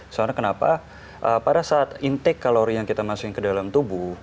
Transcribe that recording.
soalnya kenapa pada saat intake kalori yang kita masukin ke dalam tubuh